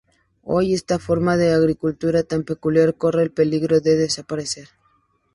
Hoy, esta forma de agricultura tan peculiar corre el peligro de desaparecer.